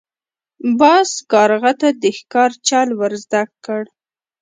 باز کارغه ته د ښکار چل ور زده کړ.